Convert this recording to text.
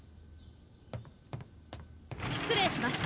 失礼します。